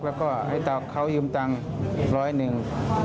แล้วก็ให้เขายืมตังค์อีกร้อยหนึ่ง